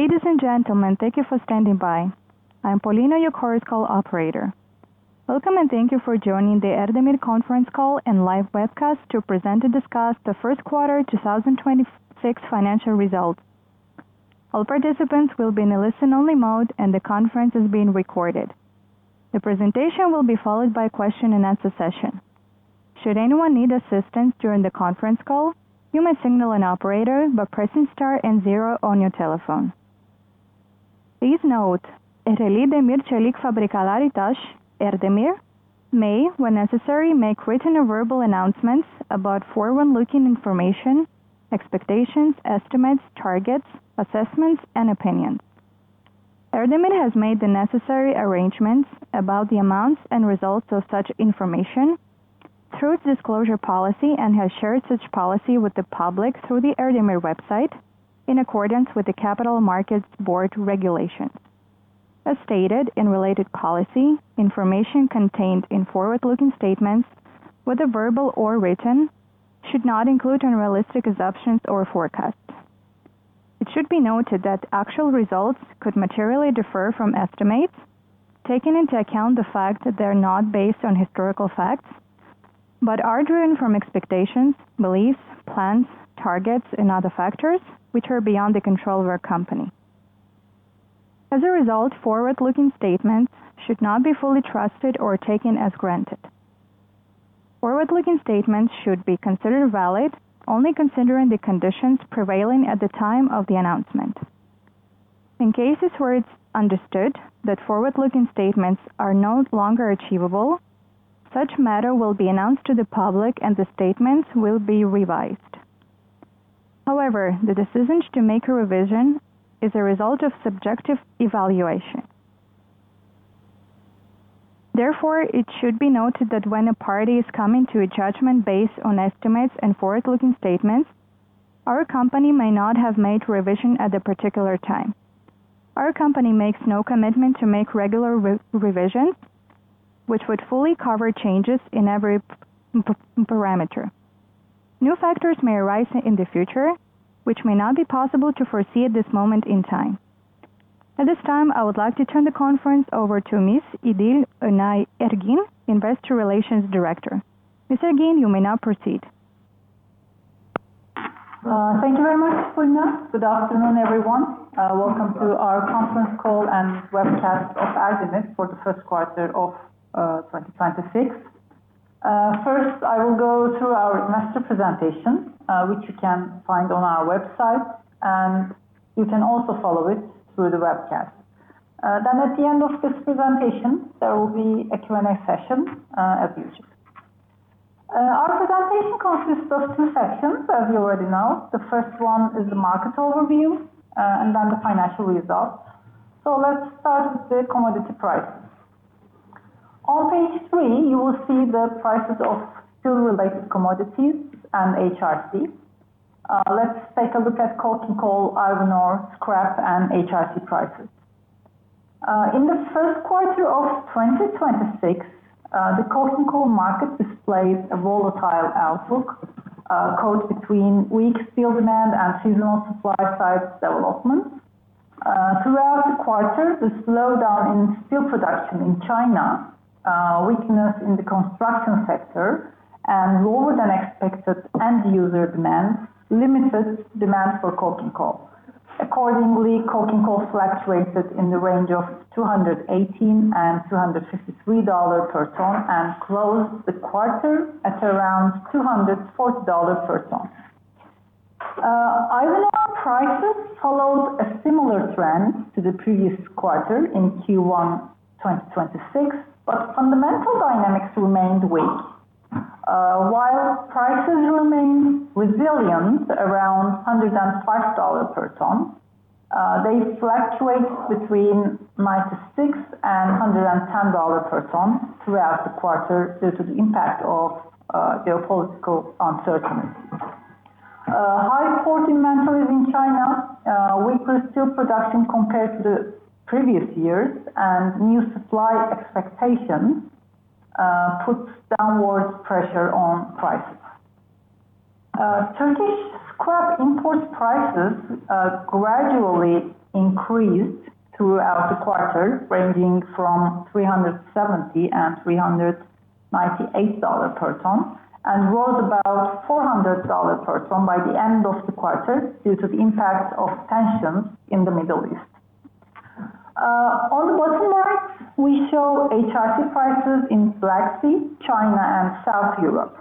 Ladies and gentlemen, thank you for standing by. I'm Paulina, your current call operator. Welcome and thank you for joining the Erdemir conference call and live webcast to present and discuss the first quarter 2026 financial results. All participants will be in a listen-only mode, and the conference is being recorded. The presentation will be followed by a question-and-answer session. Should anyone need assistance during the conference call, you may signal an operator by pressing star and zero on your telephone. Please note, Ereğli Demir ve Çelik Fabrikaları T.A.Ş., Erdemir may, when necessary, make written or verbal announcements about forward-looking information, expectations, estimates, targets, assessments, and opinions. Erdemir has made the necessary arrangements about the amounts and results of such information through its disclosure policy and has shared such policy with the public through the Erdemir website in accordance with the Capital Markets Board regulations. As stated in related policy, information contained in forward-looking statements, whether verbal or written, should not include unrealistic assumptions or forecasts. It should be noted that actual results could materially differ from estimates taken into account the fact that they're not based on historical facts, but are driven from expectations, beliefs, plans, targets, and other factors which are beyond the control of our company. Forward-looking statements should not be fully trusted or taken as granted. Forward-looking statements should be considered valid only considering the conditions prevailing at the time of the announcement. In cases where it's understood that forward-looking statements are no longer achievable, such matter will be announced to the public, and the statements will be revised. The decision to make a revision is a result of subjective evaluation. Therefore, it should be noted that when a party is coming to a judgment based on estimates and forward-looking statements, our company may not have made revision at a particular time. Our company makes no commitment to make regular revisions which would fully cover changes in every parameter. New factors may arise in the future which may not be possible to foresee at this moment in time. At this time, I would like to turn the conference over to Ms. İdil Önay Ergin, Investor Relations Director. Ms. Ergin, you may now proceed. Thank you very much, Paulina. Good afternoon, everyone. Welcome to our conference call and webcast of Erdemir for the first quarter of 2026. First, I will go through our investor presentation, which you can find on our website, and you can also follow it through the webcast. At the end of this presentation, there will be a Q&A session, as usual. Our presentation consists of two sections, as you already know. The first one is the market overview, and then the financial results. Let's start with the commodity prices. On page three, you will see the prices of steel-related commodities and HRC. Let's take a look at coking coal, iron ore, scrap, and HRC prices. In the first quarter of 2026, the coking coal market displays a volatile outlook, caused between weak steel demand and seasonal supply side developments. Throughout the quarter, the slowdown in steel production in China, weakness in the construction sector, and lower than expected end user demand limited demand for coking coal. Accordingly, coking coal fluctuated in the range of between $218 and $253 per ton and closed the quarter at around $240 per ton. Iron ore prices followed a similar trend to the previous quarter in Q1 2026, but fundamental dynamics remained weak. While prices remained resilient around $105 per ton, they fluctuated between $96 and $110 per ton throughout the quarter due to the impact of geopolitical uncertainty. High port inventories in China, weaker steel production compared to the previous years, and new supply expectations, put downwards pressure on prices. Turkish scrap import prices, gradually increased throughout the quarter, ranging from $370 per ton and $398 per ton and rose about $400 per ton by the end of the quarter due to the impact of tensions in the Middle East. On the bottom right, we show HRC prices in Black Sea, China, and South Europe.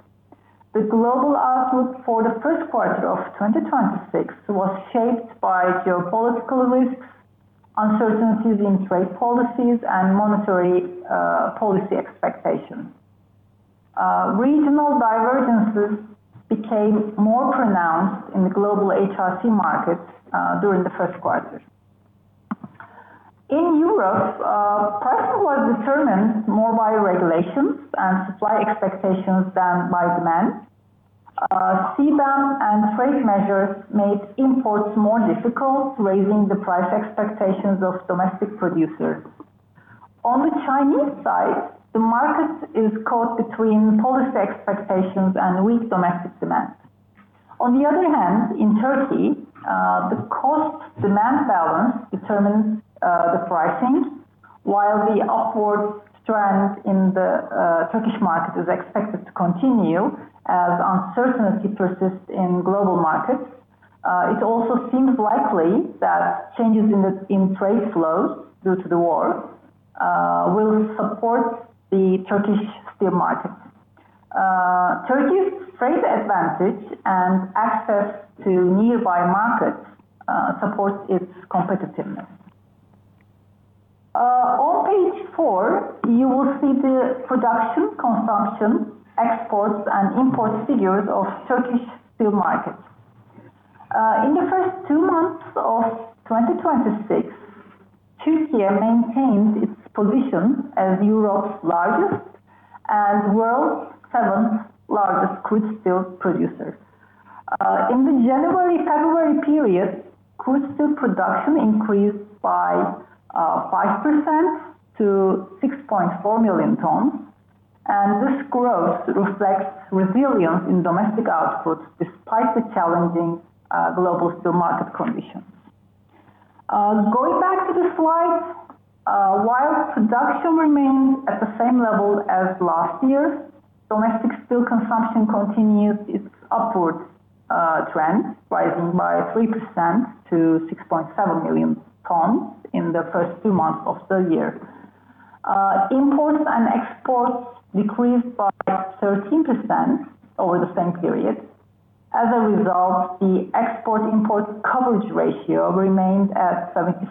The global outlook for the first quarter of 2026 was shaped by geopolitical risks, uncertainties in trade policies, and monetary policy expectations. Regional divergences became more pronounced in the global HRC market during the first quarter. In Europe, prices were determined more by regulations and supply expectations than by demand. CBAM and trade measures made imports more difficult, raising the price expectations of domestic producers. On the Chinese side, the market is caught between policy expectations and weak domestic demand. On the other hand, in Türkiye, the cost-demand balance determines the pricing, while the upward trend in the Turkish market is expected to continue as uncertainty persists in global markets. It also seems likely that changes in the, in trade flows due to the war, will support the Turkish steel market. Türkiye's trade advantage and access to nearby markets, supports its competitiveness. On page four, you will see the production, consumption, exports and import figures of Turkish steel markets. In the first two months of 2026, Türkiye maintained its position as Europe's largest and world's seventh largest crude steel producer. In the January-February period, crude steel production increased by 5% to 6.4 million tons, and this growth reflects resilience in domestic output despite the challenging global steel market conditions. Going back to the slide, while production remains at the same level as last year, domestic steel consumption continues its upward trend, rising by 3% to 6.7 million tons in the first two months of the year. Imports and exports decreased by 13% over the same period. As a result, the export-import coverage ratio remained at 74%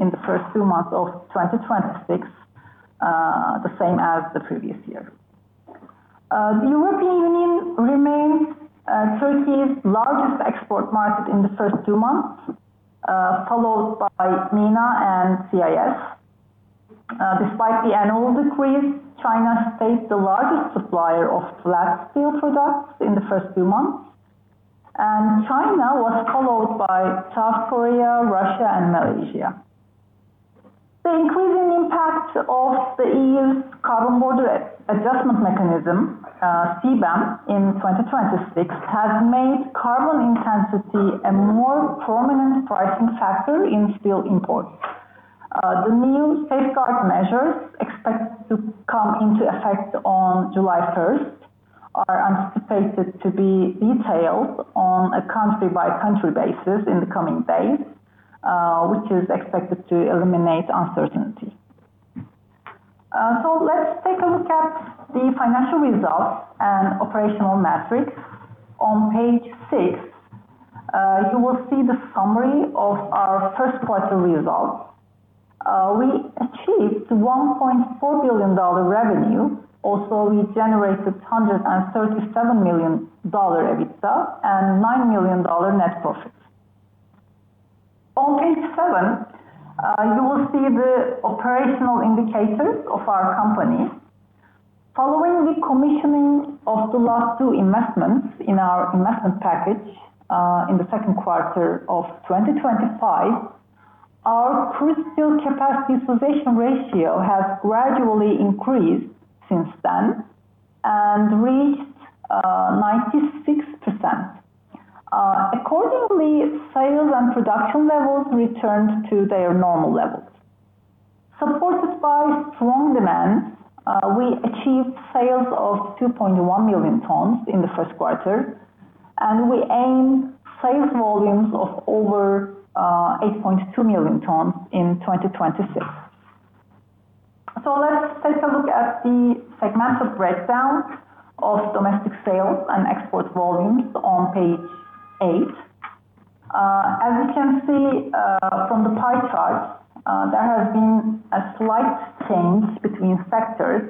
in the first two months of 2026, the same as the previous year. The European Union remains Turkey's largest export market in the first two months, followed by MENA and CIS. Despite the annual decrease, China stayed the largest supplier of flat steel products in the first two months. China was followed by South Korea, Russia and Malaysia. The increasing impact of the EU's Carbon Border Adjustment Mechanism, CBAM, in 2026 has made carbon intensity a more prominent pricing factor in steel imports. The new safeguard measures expected to come into effect on July 1st are anticipated to be detailed on a country-by-country basis in the coming days, which is expected to eliminate uncertainty. Let's take a look at the financial results and operational metrics. On page six, you will see the summary of our first quarter results. We achieved $1.4 billion revenue, also we generated $137 million EBITDA and $9 million net profits. On page seven, you will see the operational indicators of our company. Following the commissioning of the last two investments in our investment package, in the second quarter of 2025, our crude steel capacity utilization ratio has gradually increased since then and reached 96%. Accordingly, sales and production levels returned to their normal levels. Supported by strong demand, we achieved sales of 2.1 million tons in the first quarter, and we aim sales volumes of over 8.2 million tons in 2026. Let's take a look at the segment of breakdown of domestic sales and export volumes on page eight. As you can see, from the pie chart, there has been a slight change between sectors,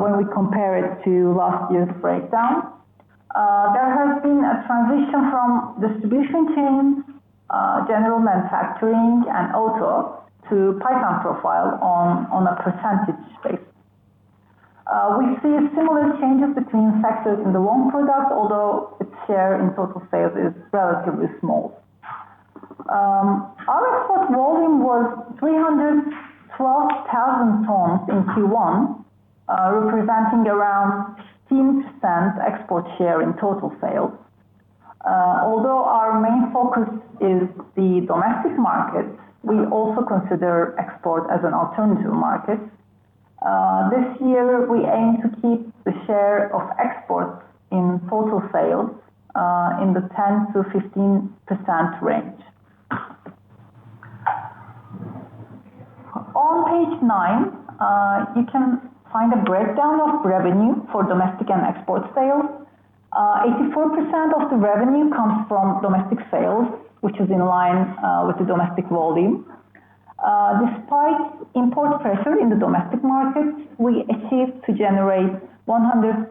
when we compare it to last year's breakdown. There has been a transition from distribution chain, general manufacturing and auto to pipe and profile on a percentage basis. We see similar changes between sectors in the long product, although its share in total sales is relatively small. Our export volume was 312,000 tons in Q1, representing around 15% export share in total sales. Although our main focus is the domestic market, we also consider export as an alternative market. This year, we aim to keep the share of exports in total sales in the 10%-15% range. On page nine, you can find a breakdown of revenue for domestic and export sales. 84% of the revenue comes from domestic sales, which is in line with the domestic volume. Despite import pressure in the domestic market, we achieved to generate $137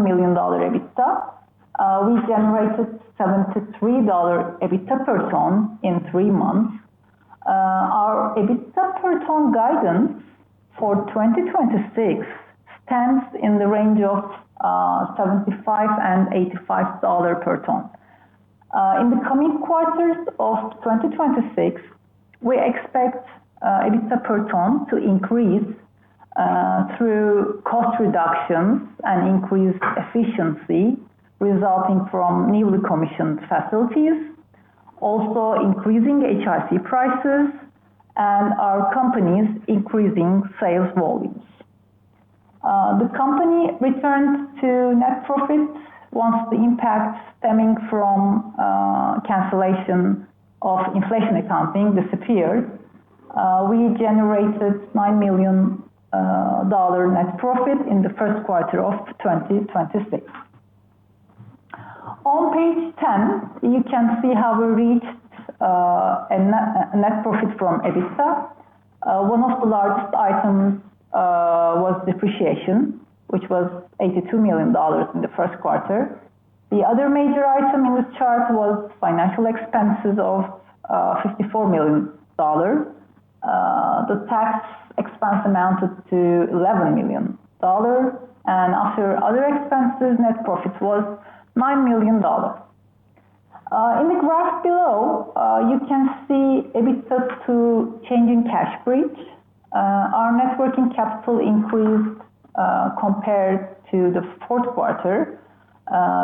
million EBITDA. We generated $73 EBITDA per ton in three months. Our EBITDA per ton guidance for 2026 stands in the range of $75-$85 per ton. In the coming quarters of 2026, we expect EBITDA per ton to increase through cost reductions and increased efficiency resulting from newly commissioned facilities, also increasing HRC prices and our company's increasing sales volumes. The company returned to net profit once the impact stemming from cancellation of inflation accounting disappeared. We generated $9 million net profit in the first quarter of 2026. On page 10, you can see how we reached a net profit from EBITDA. One of the largest items was depreciation, which was $82 million in the first quarter. The other major item in this chart was financial expenses of $54 million. The tax expense amounted to $11 million. After other expenses, net profit was $9 million. In the graph below, you can see EBITDA to change in cash bridge. Our net working capital increased compared to the fourth quarter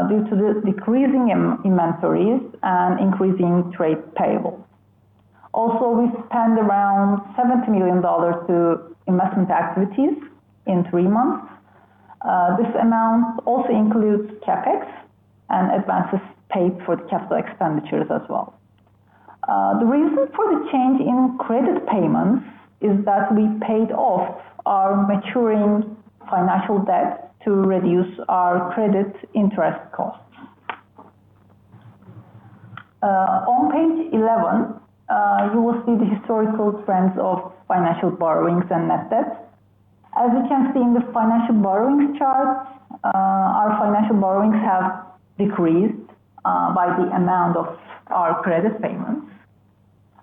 due to the decreasing inventories and increasing trade payables. We spent around $70 million to investment activities in three months. This amount also includes CapEx and advances paid for the CapEx as well. The reason for the change in credit payments is that we paid off our maturing financial debt to reduce our credit interest costs. On page 11, you will see the historical trends of financial borrowings and net debts. As you can see in the financial borrowings chart, our financial borrowings have decreased by the amount of our credit payments.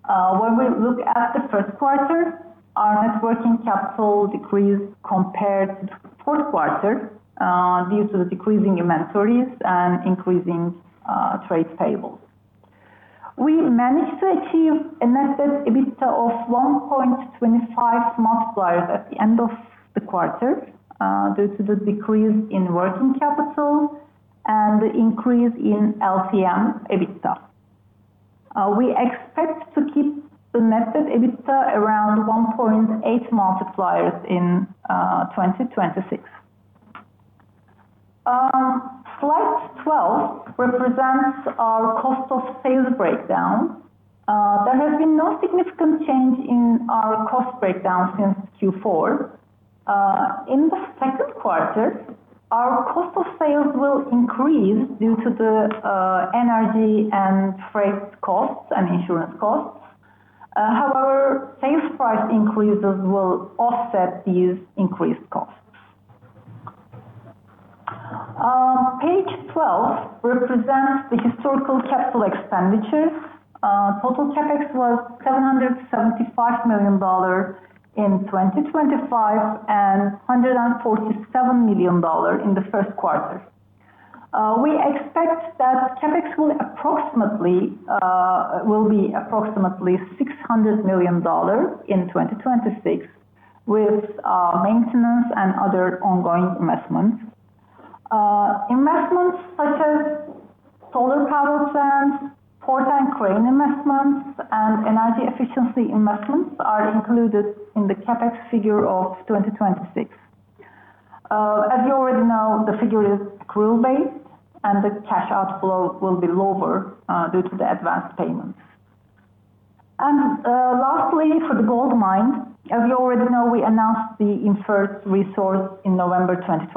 When we look at the first quarter, our net working capital decreased compared to the fourth quarter due to the decreasing inventories and increasing trade payables. We managed to achieve a net debt EBITDA of 1.25x at the end of the quarter due to the decrease in working capital and the increase in LTM EBITDA. We expect to keep the net debt EBITDA around 1.8x in 2026. Slide 12 represents our cost of sales breakdown. There has been no significant change in our cost breakdown since Q4. In the second quarter, our cost of sales will increase due to the energy and freight costs and insurance costs. Sales price increases will offset these increased costs. Page 12 represents the historical CapEx. Total CapEx was $775 million in 2025 and $147 million in the first quarter. We expect that CapEx will be approximately $600 million in 2026, with maintenance and other ongoing investments. Investments such as solar power plants, port and crane investments, and energy efficiency investments are included in the CapEx figure of 2026. As you already know, the figure is accrual-based, and the cash outflow will be lower due to the advanced payments. Lastly, for the gold mine, as you already know, we announced the inferred resource in November 2025.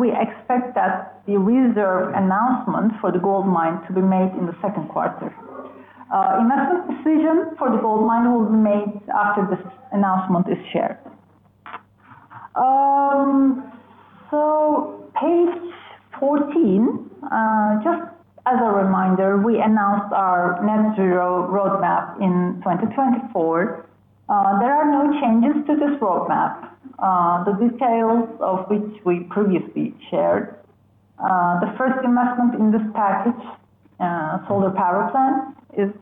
We expect that the reserve announcement for the gold mine to be made in the second quarter. Investment decision for the gold mine will be made after this announcement is shared. Page 14, just as a reminder, we announced our net zero roadmap in 2024. There are no changes to this roadmap, the details of which we previously shared. The first investment in this package, solar power plant, is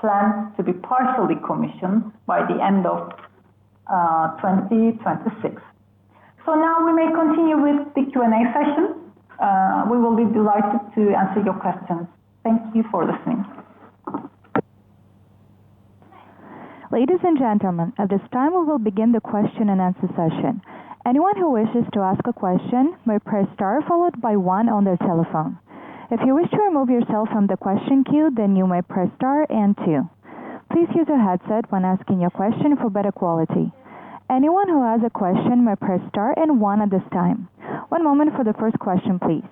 planned to be partially commissioned by the end of 2026. Now we may continue with the Q&A session. We will be delighted to answer your questions. Thank you for listening. Ladies and gentlemen, at this time, we will begin the question-and-answer session. Anyone who wishes to ask a question may press star followed by one on their telephone. If you wish to remove yourself from the question queue, you may press star and two. Please use a headset when asking your question for better quality. Anyone who has a question may press star and one at this time. One moment for the first question, please.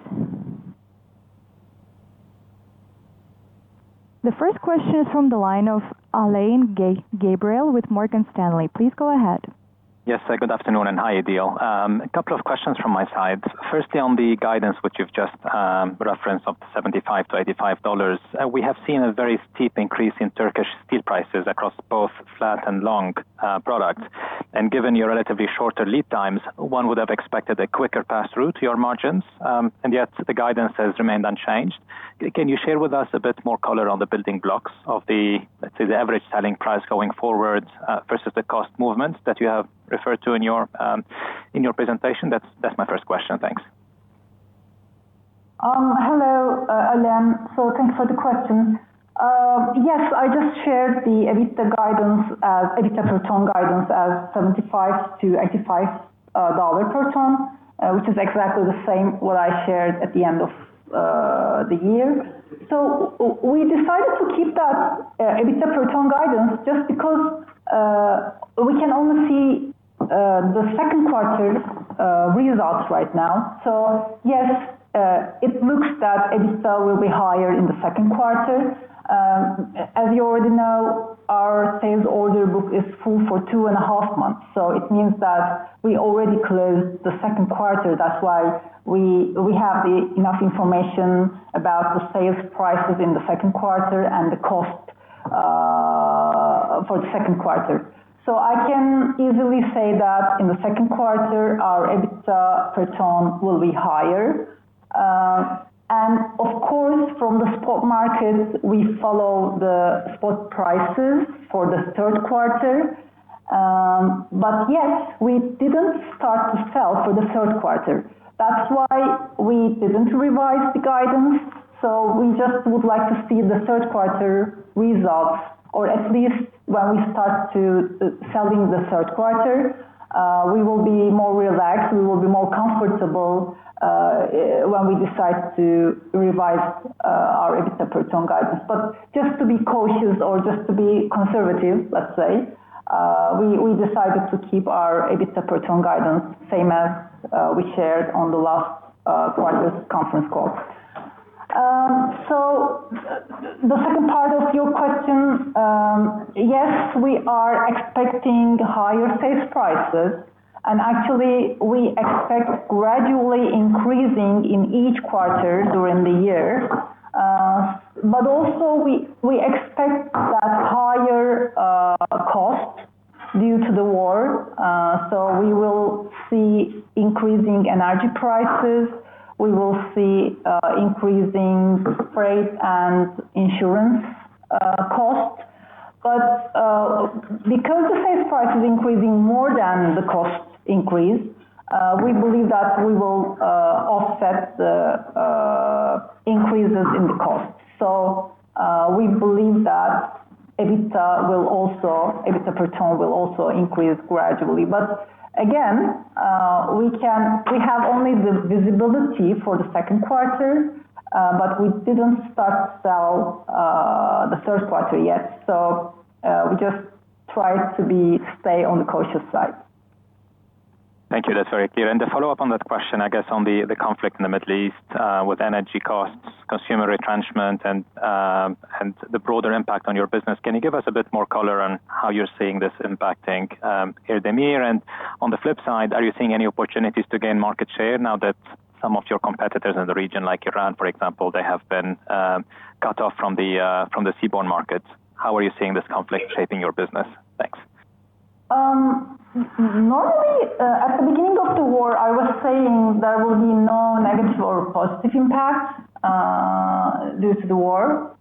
The first question is from the line of Alain Gabriel with Morgan Stanley. Please go ahead. Yes. Good afternoon, and hi, İdil. A couple of questions from my side. Firstly, on the guidance which you've just referenced of $75-$85, we have seen a very steep increase in Turkish steel prices across both flat and long products. Given your relatively shorter lead times, one would have expected a quicker pass-through to your margins, yet the guidance has remained unchanged. Can you share with us a bit more color on the building blocks of the, let's say, the average selling price going forward versus the cost movements that you have referred to in your presentation? That's my first question. Thanks. Hello, Alain. Thanks for the question. Yes, I just shared the EBITDA per ton guidance as $75-$85 per ton, which is exactly the same what I shared at the end of the year. We decided to keep that EBITDA per ton guidance just because we can only see the second quarter results right now. Yes, it looks that EBITDA will be higher in the second quarter. As you already know, our sales order book is full for two and a half months, so it means that we already closed the second quarter. That's why we have the enough information about the sales prices in the second quarter and the cost for the second quarter. I can easily say that in the second quarter, our EBITDA per ton will be higher. Of course, from the spot market, we follow the spot prices for the third quarter. Yes, we didn't start to sell for the third quarter. That's why we didn't revise the guidance. We just would like to see the third quarter results or at least when we start to selling the third quarter, we will be more relaxed, we will be more comfortable when we decide to revise our EBITDA per ton guidance. Just to be cautious or just to be conservative, let's say, we decided to keep our EBITDA per ton guidance same as we shared on the last quarter's conference call. The second part of your question, yes, we are expecting higher sales prices, and actually we expect gradually increasing in each quarter during the year. Also we expect that higher cost due to the war. We will see increasing energy prices. We will see increasing freight and insurance costs. Because the sales price is increasing more than the costs increase, we believe that we will offset the increases in the cost. We believe that EBITDA will also, EBITDA per ton will also increase gradually. Again, we have only the visibility for the second quarter, but we didn't start sell the third quarter yet. We just try to stay on the cautious side. Thank you. That's very clear. To follow up on that question, I guess, on the conflict in the Middle East, with energy costs, consumer retrenchment and the broader impact on your business, can you give us a bit more color on how you're seeing this impacting Erdemir? On the flip side, are you seeing any opportunities to gain market share now that some of your competitors in the region, like Iran, for example, they have been cut off from the seaborne markets? How are you seeing this conflict shaping your business? Thanks. Normally, at the beginning of the war, I was saying there will be no negative or positive impact due to the war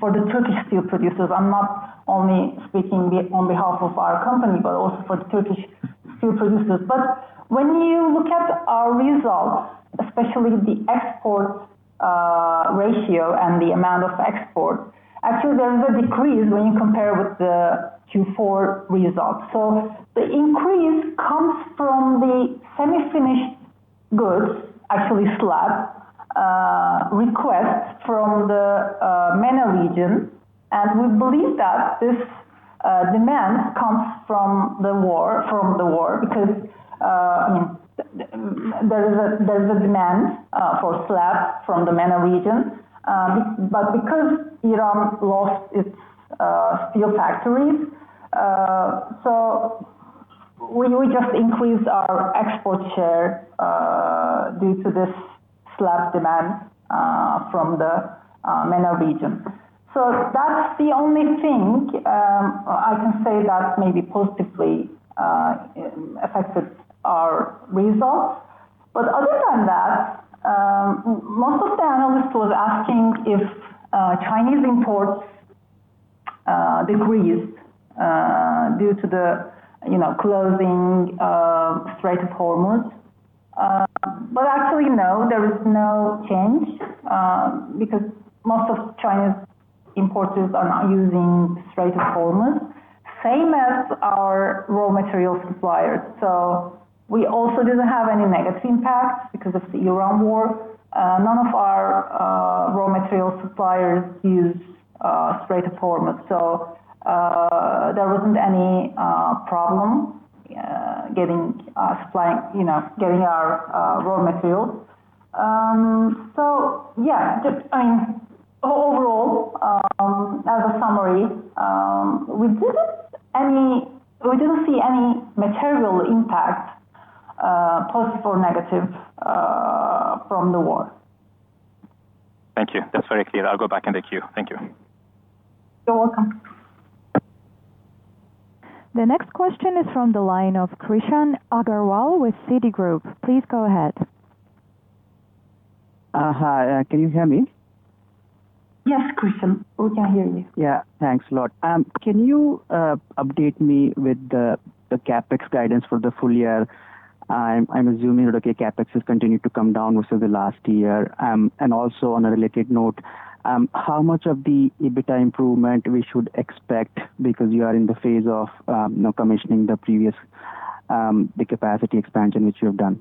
for the Turkish steel producers. I'm not only speaking on behalf of our company, but also for the Turkish steel producers. When you look at our results, especially the export ratio and the amount of export, actually there is a decrease when you compare with the Q4 results. The increase comes from the semi-finished goods, actually slab, requests from the MENA region. We believe that this demand comes from the war because, I mean, there is a demand for slab from the MENA region. Because Iran lost its steel factories, we just increased our export share due to this slab demand from the MENA region. That's the only thing I can say that maybe positively affected our results. Other than that, most of the analysts was asking if Chinese imports decreased due to the, you know, closing of Strait of Hormuz. Actually, no, there is no change because most of China's importers are not using Strait of Hormuz, same as our raw material suppliers. We also didn't have any negative impact because of the Iran war. None of our raw material suppliers use Strait of Hormuz. There wasn't any problem getting, you know, our raw materials. Yeah, just, I mean, overall, as a summary, we didn't see any material impact, positive or negative, from the war. That's very clear. I'll go back in the queue. Thank you. You're welcome. The next question is from the line of Krishan Agarwal with Citigroup. Please go ahead. Hi. Can you hear me? Yes, Krishan. We can hear you. Yeah. Thanks a lot. Can you update me with the CapEx guidance for the full year? I'm assuming that, okay, CapEx has continued to come down versus the last year. Also on a related note, how much of the EBITDA improvement we should expect because you are in the phase of now commissioning the previous the capacity expansion which you have done?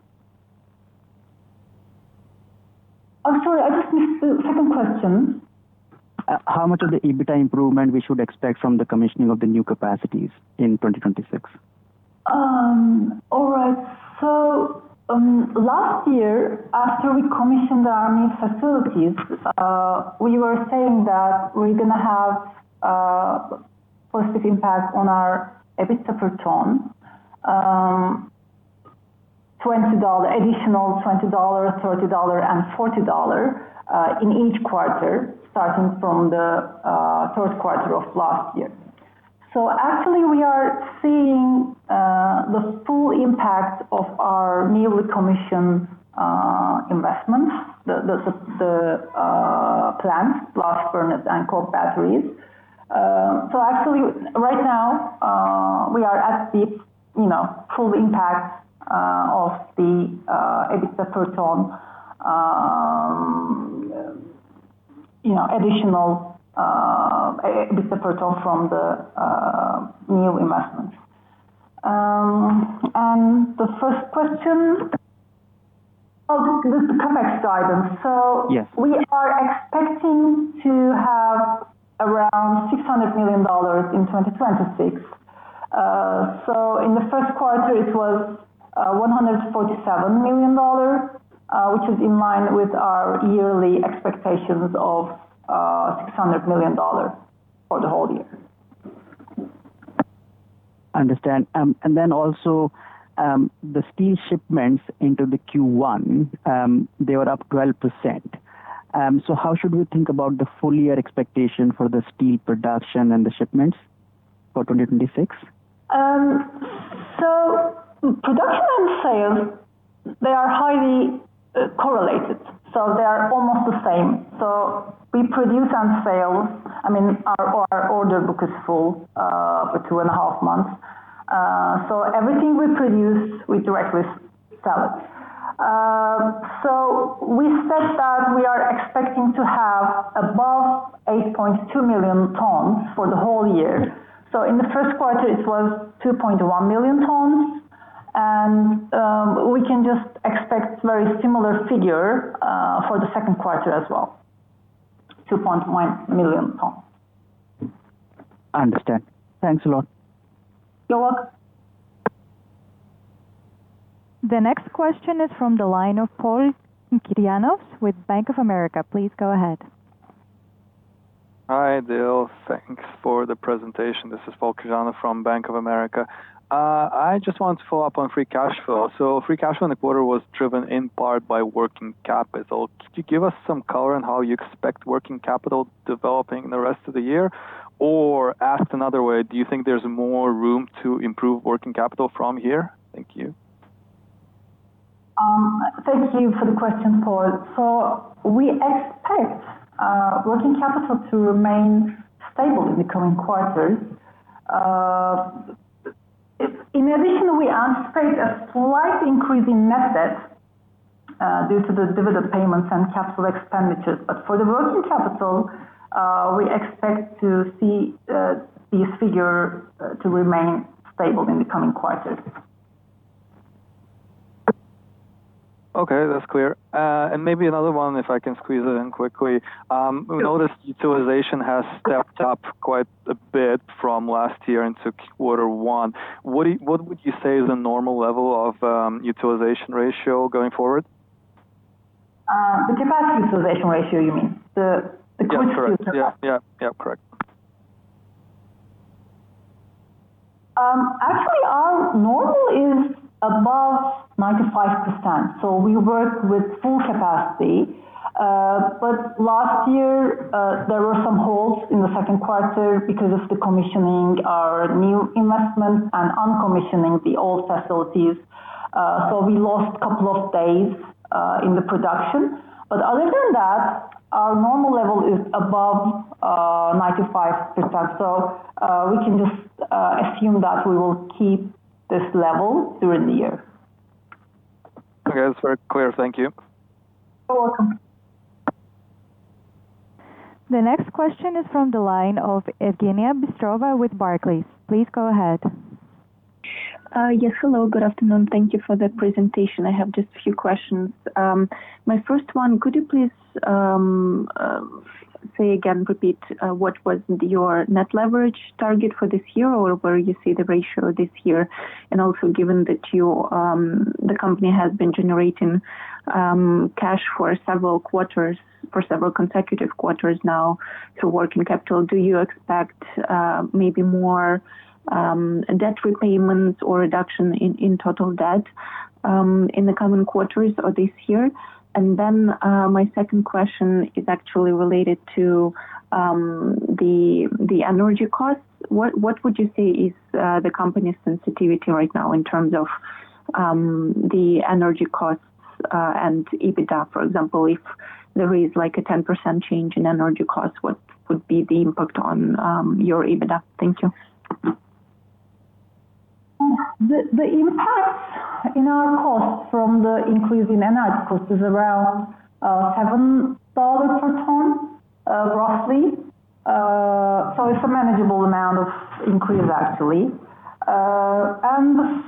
I'm sorry. I just missed the second question. How much of the EBITDA improvement we should expect from the commissioning of the new capacities in 2026? All right. Last year after we commissioned our new facilities, we were saying that we're gonna have positive impact on our EBITDA per ton, additional $20, $30, and $40 in each quarter starting from the third quarter of last year. Actually we are seeing the full impact of our newly commissioned investments, the plant, blast furnace and coke batteries. Actually right now, we are at the, you know, full impact of the EBITDA per ton, you know, additional EBITDA per ton from the new investments. The first question. Oh, the CapEx guidance. Yes. We are expecting to have around $600 million in 2026. In the first quarter it was $147 million, which is in line with our yearly expectations of $600 million for the whole year. Understand. Also, the steel shipments into the Q1, they were up 12%. How should we think about the full-year expectation for the steel production and the shipments for 2026? Production and sales, they are highly correlated, so they are almost the same. We produce and sell. I mean, our order book is full for two and a half months. Everything we produce we directly sell. We said that we are expecting to have above 8.2 million tons for the whole year. In the first quarter it was 2.1 million tons and we can just expect very similar figure for the second quarter as well, 2.1 million tons. Understand. Thanks a lot. You're welcome. The next question is from the line of Paul Kirjanovs with Bank of America. Please go ahead. Hi, İdil. Thanks for the presentation. This is Paul Kirjanovs from Bank of America. I just want to follow up on free cash flow. Free cash flow in the quarter was driven in part by working capital. Could you give us some color on how you expect working capital developing in the rest of the year? Asked another way, do you think there's more room to improve working capital from here? Thank you. Thank you for the question, Paul. We expect working capital to remain stable in the coming quarters. In addition, we anticipate a slight increase in net debt due to the dividend payments and capital expenditures. For the working capital, we expect to see this figure to remain stable in the coming quarters. Okay. That's clear. Maybe another one if I can squeeze it in quickly. Yes. We noticed utilization has stepped up quite a bit from last year into quarter one. What would you say is a normal level of utilization ratio going forward? The capacity utilization ratio you mean? Yeah. Correct. Yeah. Yeah. Yeah. Correct. Actually our normal is above 95%, so we work with full capacity. Last year, there were some holes in the second quarter because of the commissioning our new investments and un-commissioning the old facilities, so we lost couple of days in the production. Other than that, our normal level is above 95%, so we can just assume that we will keep this level during the year. Okay. That's very clear. Thank you. You're welcome. The next question is from the line of Evgeniya Bystrova with Barclays. Please go ahead. Yes. Hello. Good afternoon. Thank you for the presentation. I have just a few questions. My first one, could you please say again, repeat what was your net leverage target for this year or where you see the ratio this year? Given that the company has been generating cash for several quarters, for several consecutive quarters now to working capital, do you expect maybe more debt repayments or reduction in total debt in the coming quarters of this year? My second question is actually related to the energy costs. What would you say is the company's sensitivity right now in terms of the energy costs and EBITDA, for example, if there is like a 10% change in energy costs, what would be the impact on your EBITDA? Thank you. The, the impact in our costs from the increase in energy cost is around $7 per ton, roughly. It's a manageable amount of increase actually. The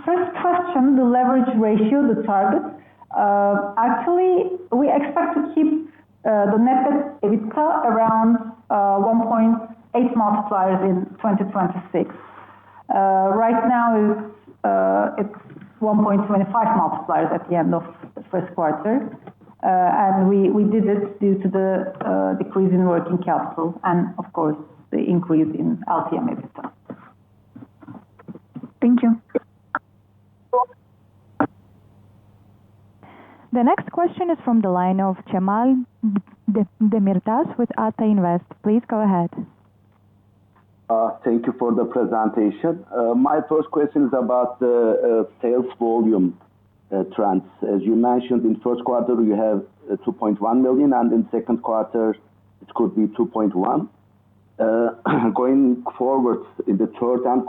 first question, the leverage ratio, the target, actually, we expect to keep the net debt to EBITDA around 1.8x in 2026. Right now it's 1.25x at the end of first quarter. We did it due to the decrease in working capital and of course the increase in LTM EBITDA. Thank you. The next question is from the line of Cemal Demirtaş with Ata Invest. Please go ahead. Thank you for the presentation. My first question is about the sales volume trends. As you mentioned in first quarter, you have 2.1 million tons, and in second quarter it could be 2.1 million tons. Going forward in the third and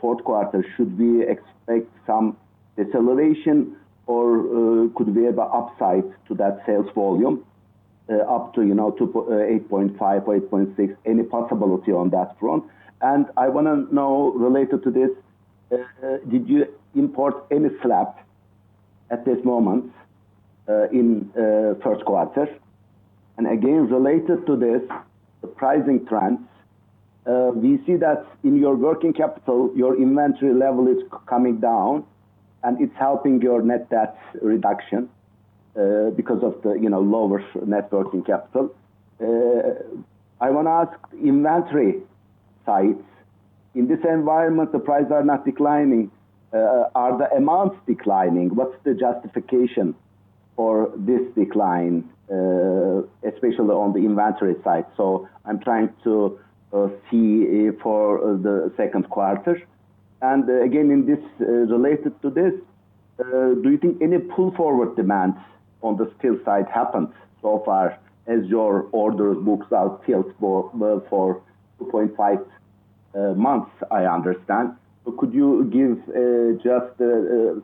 fourth quarter, should we expect some deceleration or could we have a upside to that sales volume up to, you know, 8.5 million tons or 8.6 million tons? Any possibility on that front? I wanna know related to this, did you import any slab at this moment in first quarter? Again, related to this, the pricing trends, we see that in your working capital, your inventory level is coming down, and it's helping your net debt reduction because of the, you know, lower net working capital. I wanna ask inventory sites. In this environment, the prices are not declining. Are the amounts declining? What's the justification for this decline, especially on the inventory side? I'm trying to see for the second quarter. Again, in this, related to this, do you think any pull forward demands on the steel side happened so far as your orders books out sales for, well, for two and a half months, I understand. Could you give just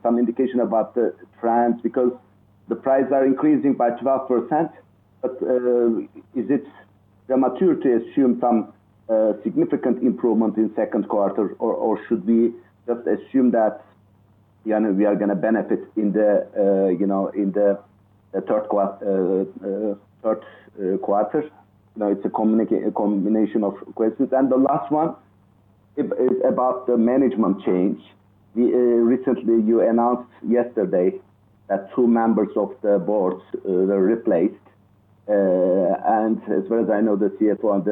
some indication about the trends? The prices are increasing by 12%, but is it premature to assume some significant improvement in second quarter or should we just assume that, you know, we are gonna benefit in the, you know, in the third quarter? You know, it's a combination of questions. The last one is about the management change. We recently you announced yesterday that two members of the Board were replaced. As far as I know, the CFO and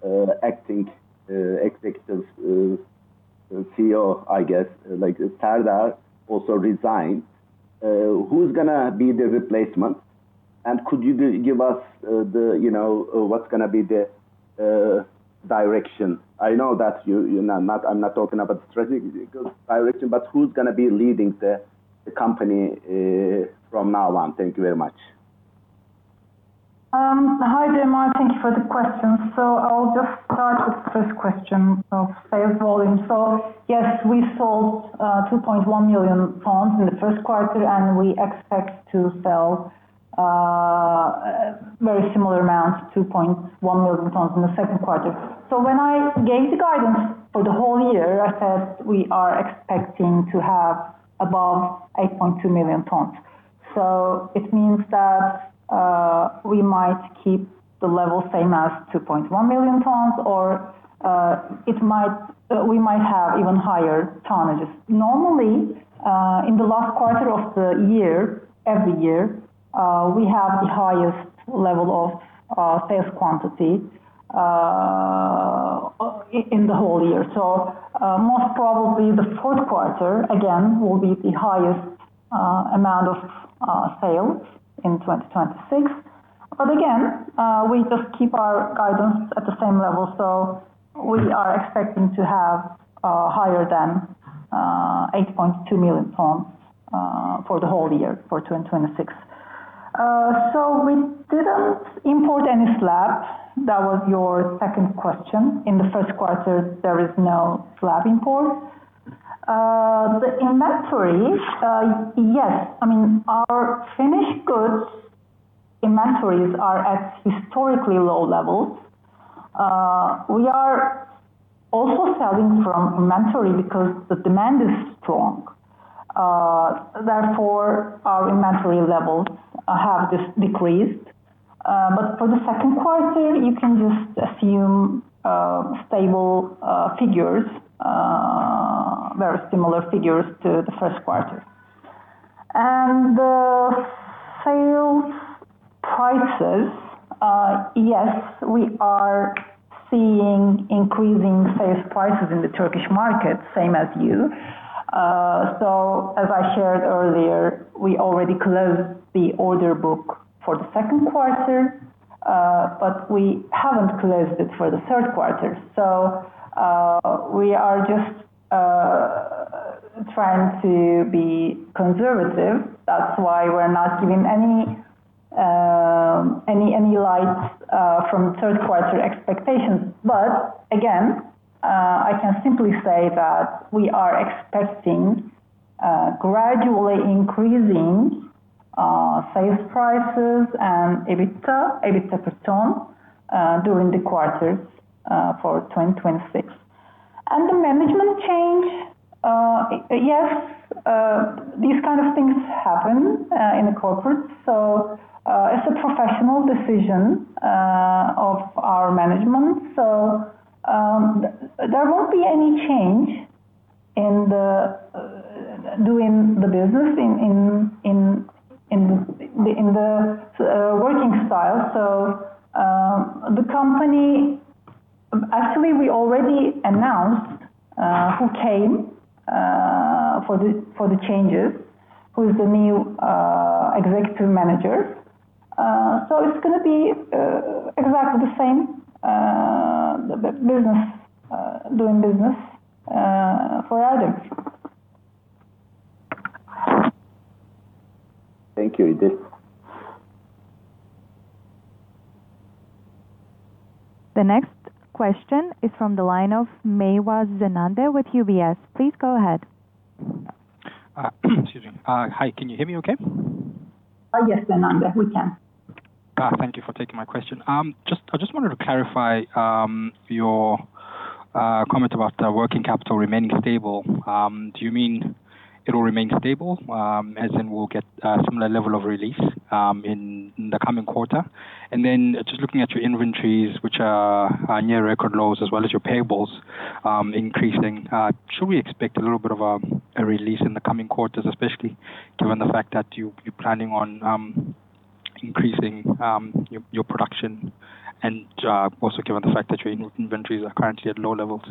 the Acting CEO, I guess, like Serdar also resigned. Who's gonna be the replacement? Could you give us the, you know, what's gonna be the direction? I know that you're not, I'm not talking about strategic direction, but who's gonna be leading the company from now on? Thank you very much. Hi, Cemal. Thank you for the question. I'll just start with the first question of sales volume. Yes, we sold 2.1 million tons in the first quarter, and we expect to sell very similar amounts, 2.1 million tons in the second quarter. When I gave the guidance for the whole year, I said we are expecting to have above 8.2 million tons. It means that we might keep the level same as 2.1 million tons or it might, we might have even higher tonnages. Normally, in the last quarter of the year, every year, we have the highest level of sales quantity in the whole year. Most probably the fourth quarter again will be the highest amount of sales in 2026. Again, we just keep our guidance at the same level. We are expecting to have higher than 8.2 million tons for the whole year for 2026. We didn't import any slabs. That was your second question. In the first quarter, there is no slab import. The inventories, yes. I mean, our finished goods inventories are at historically low levels. We are also selling from inventory because the demand is strong. Therefore, our inventory levels have decreased. For the second quarter, you can just assume stable figures, very similar figures to the first quarter. The sales prices, yes, we are seeing increasing sales prices in the Turkish market, same as you. As I shared earlier, we already closed the order book for the second quarter, but we haven't closed it for the third quarter. We are just trying to be conservative. That's why we're not giving any lights from third quarter expectations. Again, I can simply say that we are expecting gradually increasing sales prices and EBITDA per ton during the quarters for 2026. The management change, yes, these kind of things happen in the corporate. It's a professional decision of our management. There won't be any change in the doing the business in the working style. The company—actually, we already announced who came for the changes, who is the new executive manager. It's gonna be exactly the same business doing business for Erdemir. Thank you, İdil. The next question is from the line of Zenande Meyiwa with UBS. Please go ahead. Excuse me. Hi, can you hear me okay? Yes, Zenande, we can. Thank you for taking my question. I just wanted to clarify your comment about the working capital remaining stable. Do you mean it will remain stable as in we'll get a similar level of relief in the coming quarter? Just looking at your inventories, which are near record lows as well as your payables increasing, should we expect a little bit of a release in the coming quarters, especially given the fact that you're planning on increasing your production and also given the fact that your inventories are currently at low levels?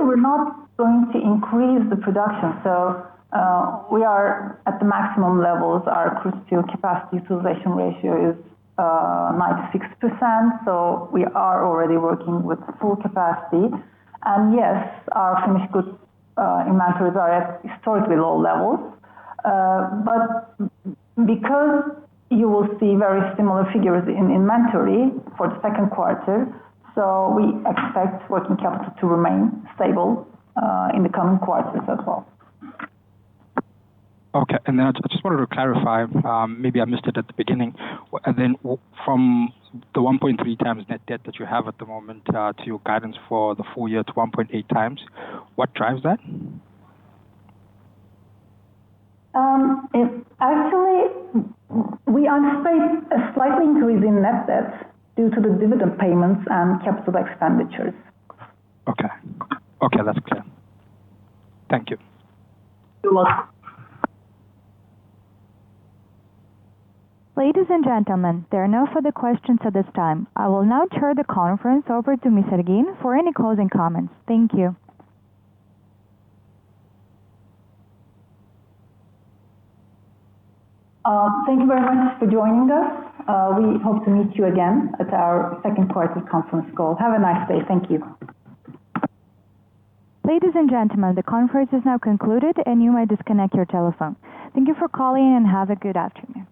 We're not going to increase the production. We are at the maximum levels. Our crude steel capacity utilization ratio is 96%, we are already working with full capacity. Yes, our finished goods inventories are at historically low levels. Because you will see very similar figures in inventory for the second quarter, we expect working capital to remain stable in the coming quarters as well. I just wanted to clarify, maybe I missed it at the beginning. From the 1.3x net debt that you have at the moment, to your guidance for the full year to 1.8x, what drives that? Actually, we anticipate a slight increase in net debts due to the dividend payments and CapEx. Okay. Okay, that's clear. Thank you. You're welcome. Ladies and gentlemen, there are no further questions at this time. I will now turn the conference over to Ms. Ergin for any closing comments. Thank you. Thank you very much for joining us. We hope to meet you again at our second quarter conference call. Have a nice day. Thank you. Ladies and gentlemen, the conference is now concluded, and you may disconnect your telephone. Thank you for calling, and have a good afternoon.